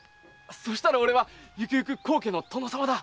そしたら俺はゆくゆく高家の殿様だ。